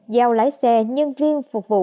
giao lái xe nhân viên phục vụ